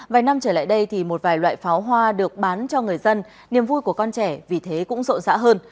vài năm trở lại đây thì một vài loại pháo hoa được bán cho người dân niềm vui của con trẻ vì thế cũng rộn rã hơn